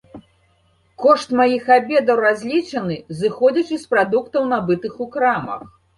Кошт маіх абедаў разлічаны, зыходзячы з прадуктаў, набытых у крамах.